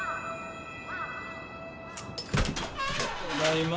ただいま。